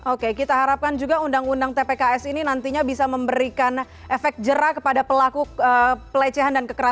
oke kita harapkan juga undang undang tpks ini nantinya bisa memberikan efek jerak kepada pelaku pelecehan dan kekerasan